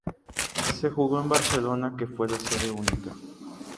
Se jugó en Barcelona que fue la sede única.